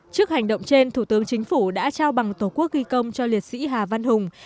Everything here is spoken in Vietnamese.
trước hành động trên thủ tướng chính phủ đã trao bằng tổ quốc ghi công cho liệt sĩ hà văn hùng